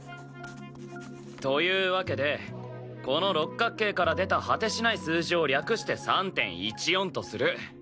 というわけでこの六角形から出た果てしない数字を略して３．１４とする。